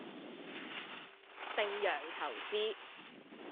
盛洋投資